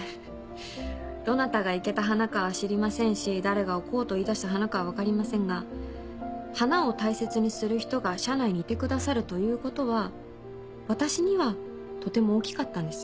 どなたが生けた花かは知りませんし誰が置こうと言いだした花かは分かりませんが花を大切にする人が社内にいてくださるということは私にはとても大きかったんです。